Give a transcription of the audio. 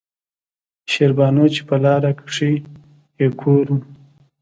شېربانو چې پۀ لاره کښې يې کور وۀ